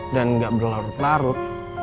dan gak berlarut larut